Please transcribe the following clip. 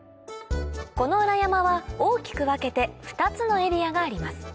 この裏山は大きく分けて２つのエリアがあります